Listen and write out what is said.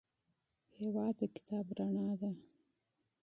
هېواد د کتاب رڼا ده.